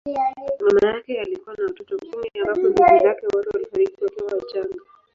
Mama yake alikuwa na watoto kumi ambapo ndugu zake wote walifariki wakiwa wachanga.